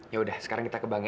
yaudah sekarang kita ke bank ya